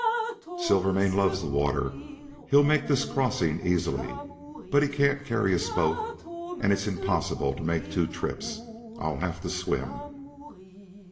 "Silvermane loves the water. He'll make this crossing easily. But he can't carry us both, and it's impossible to make two trips. I'll have to swim."